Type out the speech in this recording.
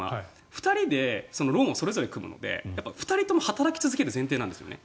２人でローンをそれぞれ組むので２人とも働き続ける前提なんですよね。